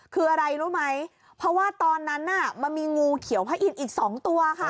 คืออะไรรู้ไหมเพราะว่าตอนนั้นน่ะมันมีงูเขียวพระอินทร์อีกสองตัวค่ะ